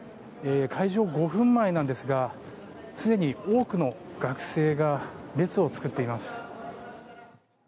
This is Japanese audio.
開場５分前なんですがすでに多くの学生が列を作っています。